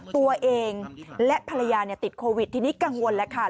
ตัวเองและภรรยาติดโควิดทีนี้กังวลแล้วค่ะ